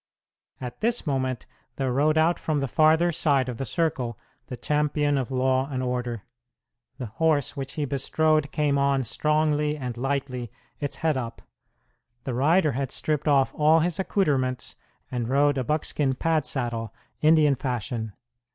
At this moment there rode out from the farther side of the circle the champion of law and order. The horse which he bestrode came on strongly and lightly, its head up. The rider had stripped off all his accouterments, and rode a buckskin pad saddle, Indian fashion.